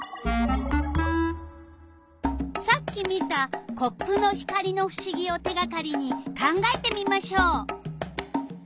さっき見たコップの光のふしぎを手がかりに考えてみましょう。